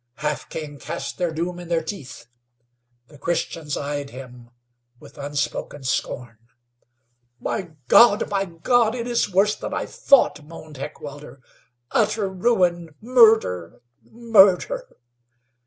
Half King cast their doom in their teeth. The Christians eyed him with unspoken scorn. "My God! My God! It is worse than I thought!" moaned Heckewelder. "Utter ruin! Murder! Murder!"